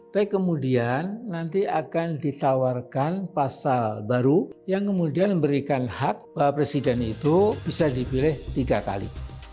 tapi kemudian nanti akan ditawarkan pasal baru yang kemudian memberikan hak bahwa presiden itu bisa dipilih tiga kali